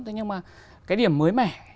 thế nhưng mà cái điểm mới mẻ